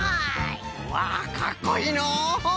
わあかっこいいのう。